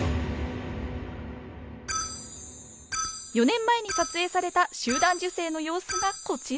４年前に撮影された集団受精の様子がこちら。